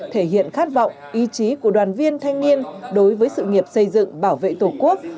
thể hiện khát vọng ý chí của đoàn viên thanh niên đối với sự nghiệp xây dựng bảo vệ tổ quốc